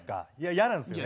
嫌なんですよね。